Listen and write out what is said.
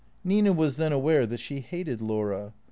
Nina was then aware that she hated Laura.